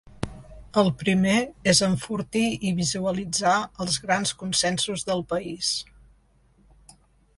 El primer és enfortir i visualitzar els grans consensos del país.